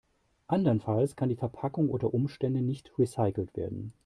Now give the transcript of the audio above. Andernfalls kann die Verpackung unter Umständen nicht recycelt werden.